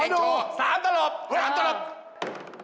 สี่ตัวสามตะหล่อสามตะหล่อเยอะ